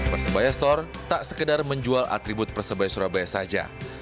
persebaya store tak sekedar menjual atribut persebaya surabaya saja